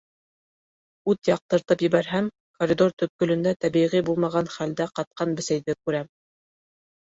Ут яҡтыртып ебәрһәм, коридор төпкөлөндә тәбиғи булмаған хәлдә ҡатҡан бесәйҙе күрәм.